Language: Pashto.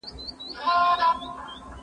زه بايد ښوونځی ته ولاړ سم،